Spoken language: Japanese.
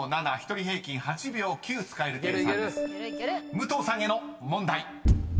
［武藤さんへの問題］